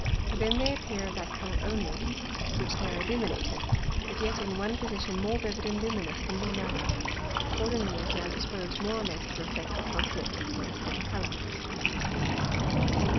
For then they appear of that Colour only, with which they are illuminated; but yet in one Position more vivid and luminous than in another, accordingly as they are disposed more or less to reflect or transmit the incident Colour.